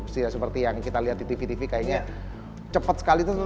tidak seperti yang kita lihat di tv tv kayaknya cepat sekali itu ternyata